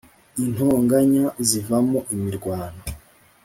Intonganya zivamo imirwano